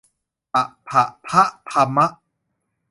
ปะผะพะภะมะ